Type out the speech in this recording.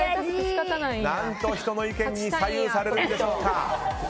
何で人の意見に左右されるんでしょうか。